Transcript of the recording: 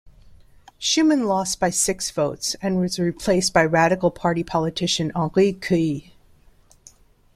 Schuman lost by six votes and was replaced by Radical Party politician Henri Queuille.